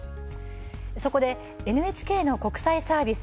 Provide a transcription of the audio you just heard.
そこで、ＮＨＫの国際サービス